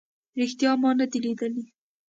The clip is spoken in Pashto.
ریښتیا ما نه دی لیدلی